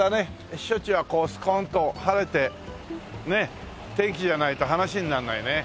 避暑地はこうスコーンと晴れてね天気じゃないと話にならないね。